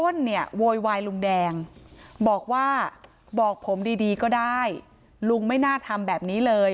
อ้นเนี่ยโวยวายลุงแดงบอกว่าบอกผมดีดีก็ได้ลุงไม่น่าทำแบบนี้เลย